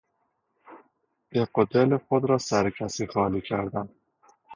دق دل خود را سر کسی خالی کردن